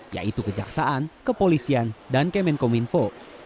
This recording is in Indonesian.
yaitu kejaksaan kepolisian dan kemenkominfo